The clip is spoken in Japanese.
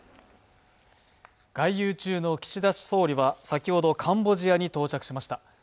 外遊中の岸田総理は、先ほどカンボジアに到着しました。